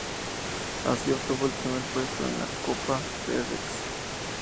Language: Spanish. Así, obtuvo el primer puesto en la Copa FedEx.